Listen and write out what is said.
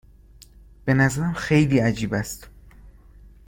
به نظرم خیلی عجیب است.